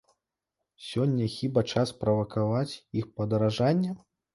Сёння хіба час правакаваць іх падаражанне?